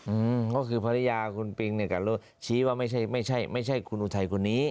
อืมก็คือภรรยาคุณปิงเนี่ยกับรถชี้ว่าไม่ใช่ไม่ใช่คุณอุทัยคนนี้